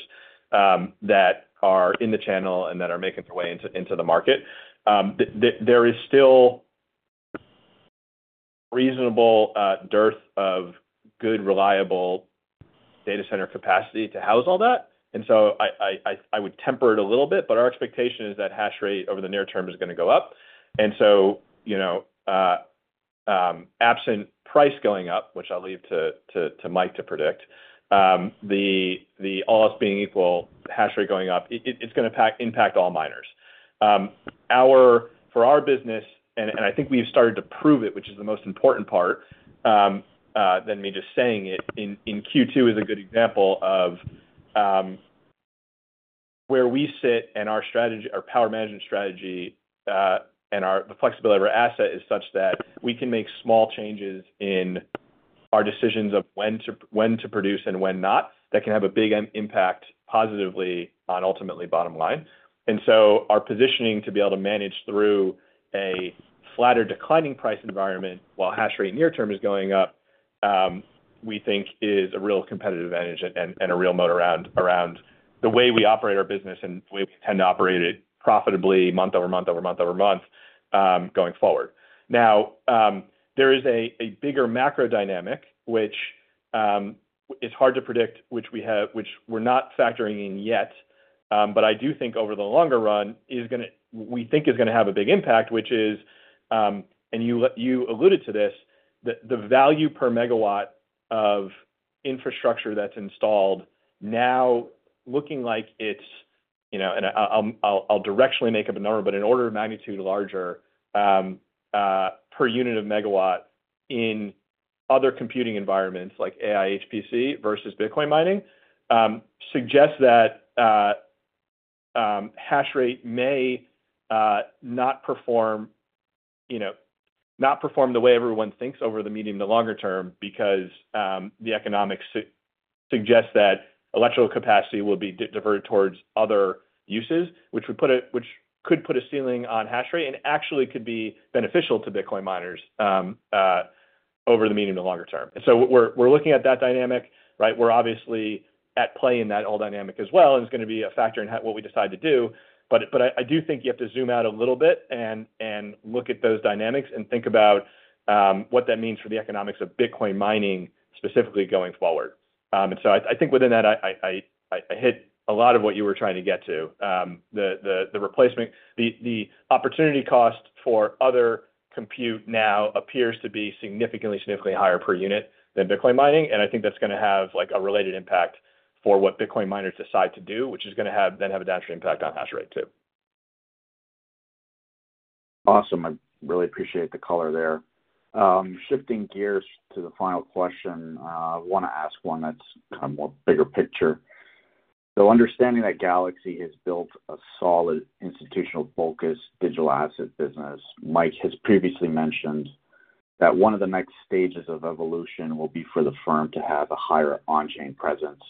that are in the channel and that are making their way into the market. There is still reasonable dearth of good, reliable data center capacity to house all that. I would temper it a little bit, but our expectation is that hashrate over the near term is going to go up. And so, you know, absent price going up, which I'll leave to Mike to predict, all else being equal, hashrate going up, it's gonna impact all miners. For our business, and I think we've started to prove it, which is the most important part, than me just saying it. In Q2 is a good example of where we sit and our strategy, our power management strategy, and the flexibility of our asset is such that we can make small changes in our decisions of when to produce and when not, that can have a big impact positively on ultimately bottom line. And so our positioning to be able to manage through a flatter declining price environment while hashrate near term is going up, we think is a real competitive advantage and a real moat around the way we operate our business and the way we tend to operate it profitably month-over-month going forward. Now, there is a bigger macro dynamic, which is hard to predict, which we have, which we're not factoring in yet. But I do think over the longer run we think is gonna have a big impact, which is, and you alluded to this, the value per megawatt of infrastructure that's installed now looking like it's, you know, and I'll directionally make up a number, but in order of magnitude larger per unit of megawatt in other computing environments like AI HPC versus Bitcoin mining, suggests that hashrate may not perform, you know, not perform the way everyone thinks over the medium, the longer term, because the economics suggests that electrical capacity will be diverted towards other uses, which would put a ceiling on hashrate and actually could be beneficial to Bitcoin miners over the medium and longer term. And so we're looking at that dynamic, right? We're obviously at play in that whole dynamic as well, and it's going to be a factor in how, what we decide to do. But I do think you have to zoom out a little bit and look at those dynamics and think about what that means for the economics of Bitcoin mining, specifically going forward. And so I think within that, I hit a lot of what you were trying to get to. The replacement, the opportunity cost for other compute now appears to be significantly higher per unit than Bitcoin mining, and I think that's gonna have, like, a related impact for what Bitcoin miners decide to do, which is gonna have a downstream impact on hashrate, too. Awesome. I really appreciate the color there. Shifting gears to the final question, I want to ask one that's kind of more bigger picture. So understanding that Galaxy has built a solid institutional-focused digital asset business, Mike has previously mentioned that one of the next stages of evolution will be for the firm to have a higher on-chain presence.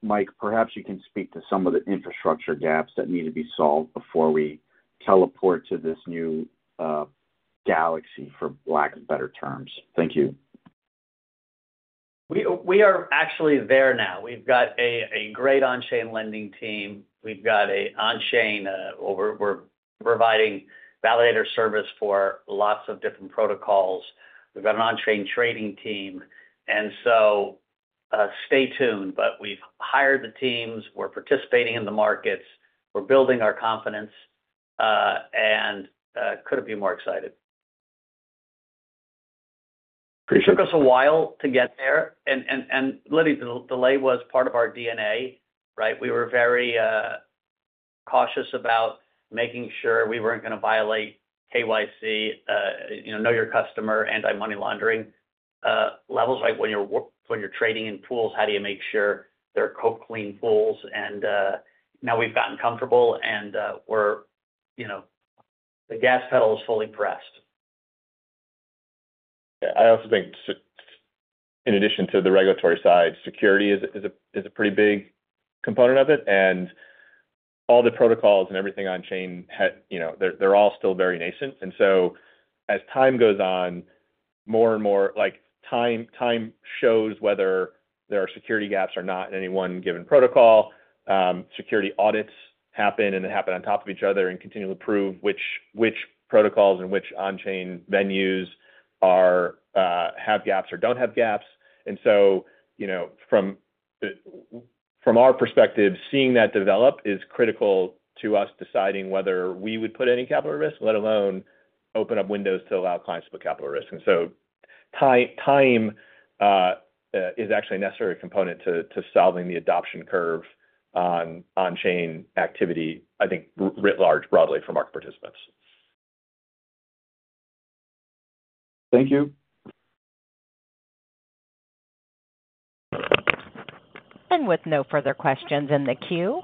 Mike, perhaps you can speak to some of the infrastructure gaps that need to be solved before we teleport to this new, galaxy, for lack of better terms. Thank you. We are actually there now. We've got a great on-chain lending team. We've got an on-chain, well, we're providing validator service for lots of different protocols. We've got an on-chain trading team, and so, stay tuned. But we've hired the teams, we're participating in the markets, we're building our confidence, and couldn't be more excited. Appreciate it. Took us a while to get there, and literally, the delay was part of our DNA, right? We were very cautious about making sure we weren't gonna violate KYC, you know, Know Your Customer, anti-money laundering levels, like, when you're trading in pools, how do you make sure they're called clean pools? And now we've gotten comfortable and we're, you know, the gas pedal is fully pressed. I also think, in addition to the regulatory side, security is a pretty big component of it, and all the protocols and everything on-chain, you know, they're all still very nascent. So as time goes on, more and more, like, time shows whether there are security gaps or not in any one given protocol. Security audits happen, and they happen on top of each other and continually prove which protocols and which on-chain venues have gaps or don't have gaps. So, you know, from our perspective, seeing that develop is critical to us deciding whether we would put any capital at risk, let alone open up windows to allow clients to put capital at risk. Time is actually a necessary component to solving the adoption curve on-chain activity, I think, writ large, broadly from our participants. Thank you. With no further questions in the queue,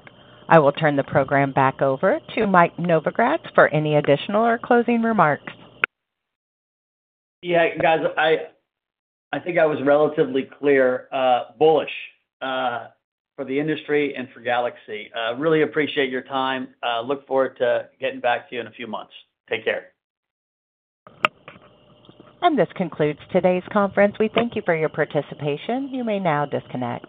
I will turn the program back over to Mike Novogratz for any additional or closing remarks. Yeah, guys, I, I think I was relatively clear, bullish, for the industry and for Galaxy. Really appreciate your time. Look forward to getting back to you in a few months. Take care. This concludes today's conference. We thank you for your participation. You may now disconnect.